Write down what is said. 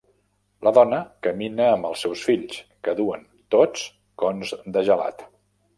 La dona camina amb els seus fills, que duen tots cons de gelat.